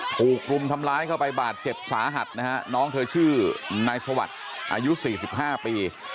ถูกรุมทำร้ายเข้าไปบาดเจ็บสาหัสนะฮะน้องเธอชื่อนายสวัสดิ์อายุ๔๕ปี